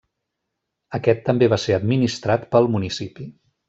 Aquest també va ser administrat pel municipi.